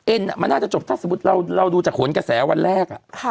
มันน่าจะจบถ้าสมมุติเราดูจากขนกระแสวันแรก